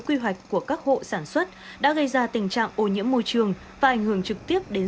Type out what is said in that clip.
quy hoạch của các hộ sản xuất đã gây ra tình trạng ô nhiễm môi trường và ảnh hưởng trực tiếp đến